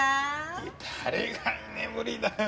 いや誰が居眠りだよ。